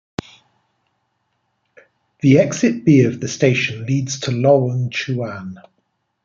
The Exit B of the station leads to Lorong Chuan.